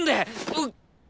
うっ！